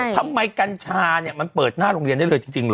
กัญชาเนี่ยมันเปิดหน้าโรงเรียนได้เลยจริงเหรอ